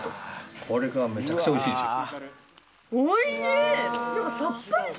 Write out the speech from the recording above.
これがめちゃくちゃおいしいですよ。